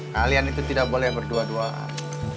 kalian itu tidak boleh berdua duaan